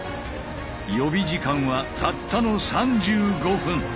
予備時間はたったの３５分。